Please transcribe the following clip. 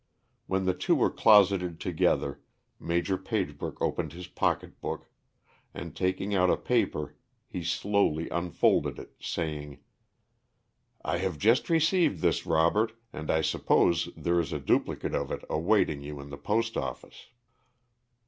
When the two were closeted together Maj. Pagebrook opened his pocket book and taking out a paper he slowly unfolded it, saying: "I have just received this, Robert, and I suppose there is a duplicate of it awaiting you in the post office."